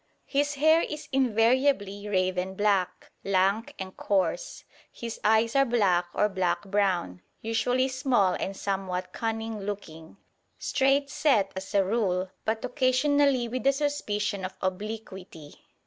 His hair is invariably raven black, lank and coarse. His eyes are black or black brown, usually small and somewhat cunning looking; straight set as a rule, but occasionally with a suspicion of obliquity.